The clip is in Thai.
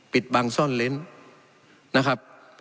ปิดบังซ่อนเล้นนะครับ